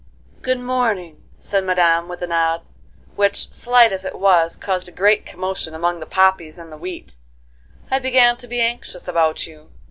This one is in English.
"Good morning," said Madame with a nod, which, slight as it was, caused a great commotion among the poppies and the wheat; "I began to be anxious about you.